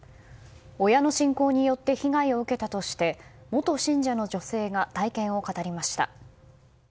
親の信仰によって被害を受けたとして元信者の女性が体験を語りました。